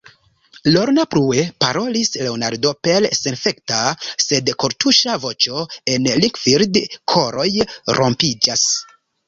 Lorna, plue parolis Leonardo per senafekta, sed kortuŝa voĉo, en Linkfield koroj rompiĝas.